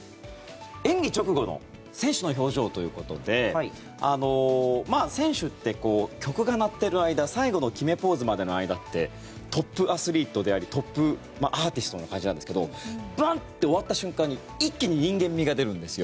演技直後の選手の表情ということで選手って曲が鳴っている間最後の決めポーズまでの間ってトップアスリートでありトップアーティストな感じですがバン！って終わった瞬間に一気に人間味が出るんですよ。